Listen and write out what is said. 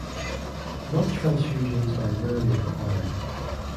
Blood transfusions are rarely required.